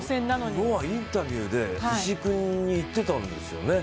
昨日はインタビューで石井君に言っていたんですよね。